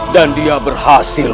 dan dia berhasil